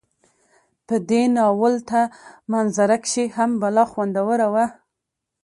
په دې ناول ته منظره کشي هم بلا خوندوره وه